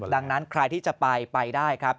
ดังนั้นใครที่จะไปไปได้ครับ